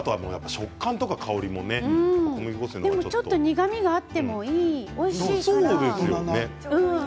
でもちょっと苦みがあってもいいおいしいから。